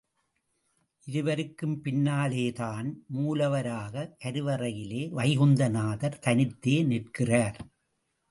இவருக்கும் பின்னாலேதான் மூலவராக கருவறையிலே வைகுந்த நாதர் தனித்தே நிற்கிறார்.